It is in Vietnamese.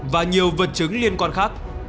và nhiều vật chứng liên quan khác